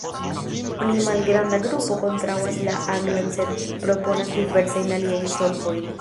Pli malgranda grupo kontraŭas la anglan sed proponas diversajn aliajn solvojn.